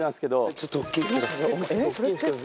ちょっとおっきいんすけど。